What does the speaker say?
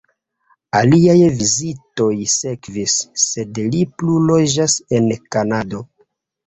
Aliaj vizitoj sekvis, sed li plu loĝas en Kanado.